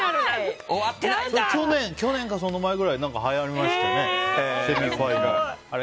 去年かその前くらいはやりましたよね。